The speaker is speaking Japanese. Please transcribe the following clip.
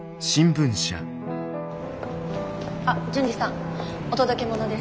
あっ潤二さんお届け物です。